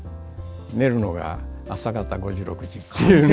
寝るのが朝方５時６時。